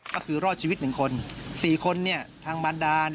ก็คือรอดชีวิต๑คน๔คนทางมารดา